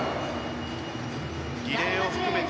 リレーを含めて